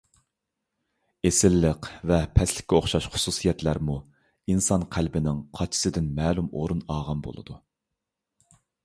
ئېسىللىق ۋە پەسلىككە ئوخشاش خۇسۇسىيەتلەرمۇ ئىنسان قەلبىنىڭ قاچىسىدىن مەلۇم ئورۇن ئالغان بولىدۇ.